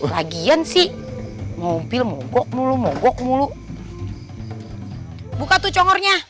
lagian sih mobil mogok mulu mogok mulu buka tuh congornya